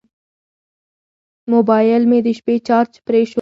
موبایل مې د شپې چارج پرې شو.